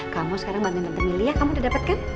kamu sekarang bangunan pemilih ya kamu udah dapet kan